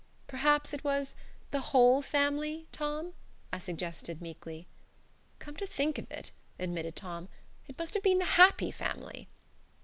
"Perhaps it was 'The Whole Family,' Tom?" I suggested, meekly. "Come to think of it," admitted Tom, "it must have been 'The Happy Family.'